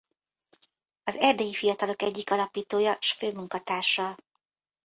Az Erdélyi Fiatalok egyik alapítója s főmunkatársa.